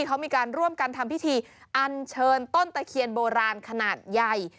เขามีการร่วมกันทำพิธีอันเชิญต้นตะเคียนโบราณขนาดใหญ่